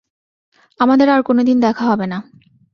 আমাদের আর কোনদিন দেখা হবেনা।